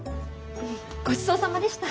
ごちそうさまでした。